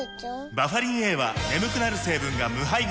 バファリンＡは眠くなる成分が無配合なんです